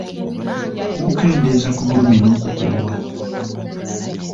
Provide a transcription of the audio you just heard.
Kukendeeza ku bulumi n’okukoowa.